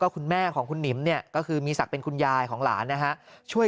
ก็คุณแม่ของคุณนิมก็คือมีสักเป็นคุณยายของหลานะฮะช่วย